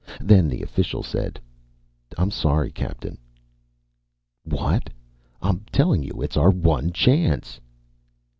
Then the official said, "I'm sorry, Captain." "What? I'm telling you it's our one chance!"